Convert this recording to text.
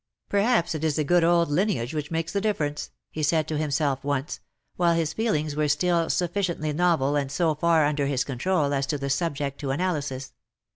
^^ Perhaps it is the good old lineage which makes the difference," he said to himself once, while his feelings were still sufficiently novel and so far under his control as to be subject to analysis.